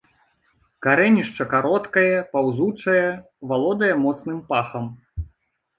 Карэнішча кароткае, паўзучае, валодае моцным пахам.